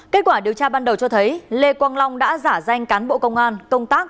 kết quả điều tra ban đầu cho thấy lê quang long đã giả danh cán bộ công an công tác